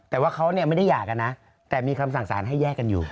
แต่ว่าเขาเนี่ยไม่ได้หย่ากันนะแต่มีคำสั่งสารให้แยกกันอยู่